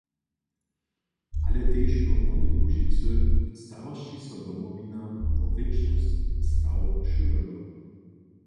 Ale tež w Hornjej Łužicy starosći so Domowina wo rěčny staw šulerjow.